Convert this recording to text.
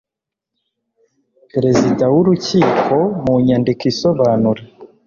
perezida w'urukiko mu nyandiko isobanura